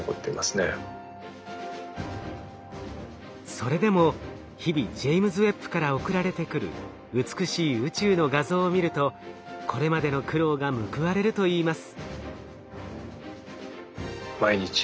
それでも日々ジェイムズ・ウェッブから送られてくる美しい宇宙の画像を見るとこれまでの苦労が報われるといいます。